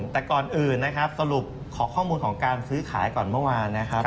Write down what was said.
แต่ก่อนอื่นสรุปของข้อมูลของการซื้อขายก่อนเมื่อวาน